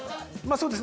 そうですね。